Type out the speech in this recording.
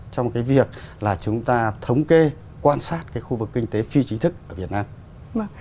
trong cái việc là chúng ta thống kê quan sát cái khu vực kinh tế phi chính thức ở việt nam